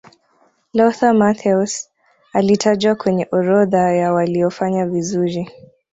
lothar matthaus alitajwa kwenye orodha ya waliofanya vizuri